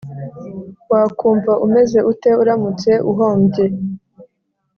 wakumva umeze ute uramutse uhombye